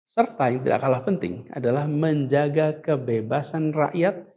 serta yang tidak kalah penting adalah menjaga kebebasan rakyat